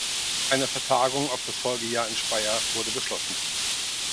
Eine Vertagung auf das Folgejahr in Speyer wurde beschlossen.